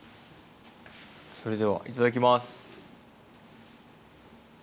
それではいただきます。